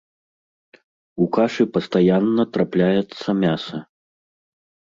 У кашы пастаянна трапляецца мяса.